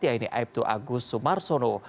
yaitu aibtu agus sumarsono